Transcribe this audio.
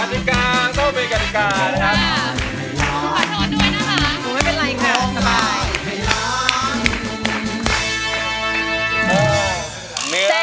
เราไม่เป็นไรค่ะทุกคนสบาย